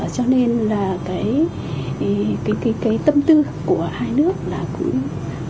cho nên là cái tâm tư của hai nước là cũng